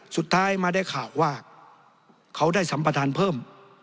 สุดท้ายมาได้ข่าวว่าเขาได้สัมประธานเพิ่ม